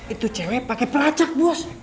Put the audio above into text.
itu cewek pakai pelacak bos